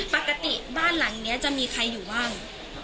ปกติบ้านหลังนี้จะมีใครอยู่บ้าง